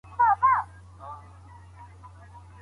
د ژوند بریا یوازي لایقو ته نه سي منسوبېدلای.